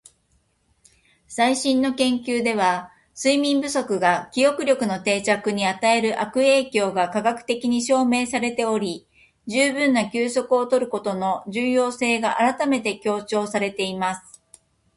「最新の研究では、睡眠不足が記憶力の定着に与える悪影響が科学的に証明されており、十分な休息を取ることの重要性が改めて強調されています。」